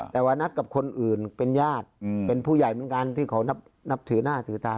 แต่ว่านัดกับคนอื่นเป็นญาติเป็นผู้ใหญ่เหมือนกันที่เขานับถือหน้าถือตา